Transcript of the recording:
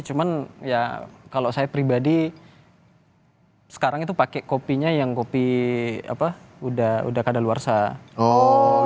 cuman ya kalau saya pribadi sekarang itu pakai kopinya yang kopi apa udah kadaluarsa